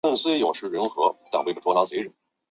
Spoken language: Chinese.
米拉贝奥巴罗涅。